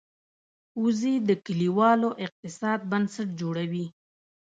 وزې د کلیوالو اقتصاد بنسټ جوړوي